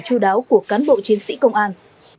chú đáo của cán bộ chiến sĩ công an